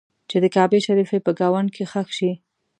چې د کعبې شریفې په ګاونډ کې ښخ شي.